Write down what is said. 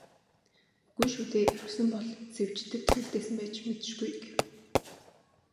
"Үгүй шүү дээ, орхисон бол Сэвжидэд л үлдээсэн байж мэдэшгүй" гэв.